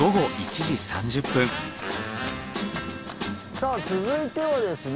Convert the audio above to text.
さあ続いてはですね